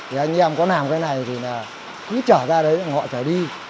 thì anh em có làm cái này thì cứ trở ra đấy họ trở đi